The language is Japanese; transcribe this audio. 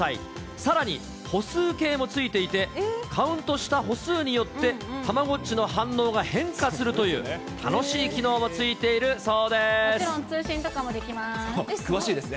さらに歩数計も付いていて、カウントした歩数によって、たまごっちの反応が変化するという、もちろん、通信とかもできま詳しいですね。